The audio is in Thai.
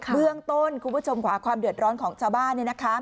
เบื้องต้นคุณผู้ชมขวาความเดือดร้อนของชาวบ้าน